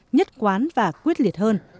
nhất quán và quyết liệt hơn